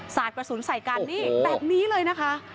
กระสุนใส่กันนี่แบบนี้เลยนะคะ